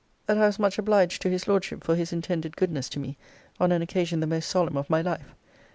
'That I was much obliged to his Lordship for his intended goodness to me on an occasion the most solemn of my life.